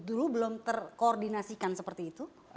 dulu belum terkoordinasikan seperti itu